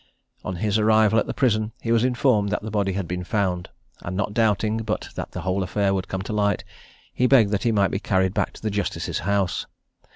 On his arrival at the prison he was informed that the body had been found: and, not doubting but that the whole affair would come to light, he begged that he might be carried back to the justice's house.